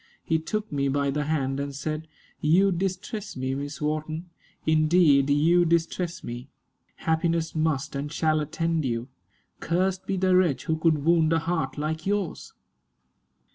He took me by the hand, and said, "You distress me, Miss Wharton; indeed you distress me. Happiness must and shall attend you. Cursed be the wretch who could wound a heart like yours."